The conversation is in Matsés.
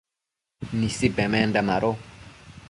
Nisi pemenda mado